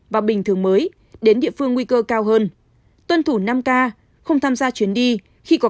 và bình thường mới đến địa phương nguy cơ cao hơn tuân thủ năm k không tham gia chuyến đi khi có